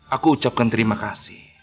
aku ucapkan terima kasih